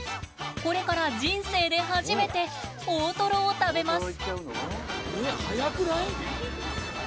これから人生で初めて大トロを食べます。